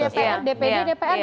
kepada pemilu dpr dpd dprd